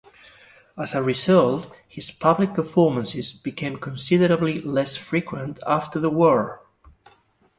As a result, his public performances became considerably less frequent after the war.